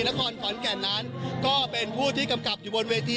นครขอนแก่นนั้นก็เป็นผู้ที่กำกับอยู่บนเวที